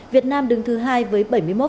việt nam đứng thứ hai với bảy mươi một